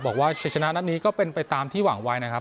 บอกว่าชัยชนะนัดนี้ก็เป็นไปตามที่หวังไว้นะครับ